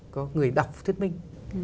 có người đọc thuyết minh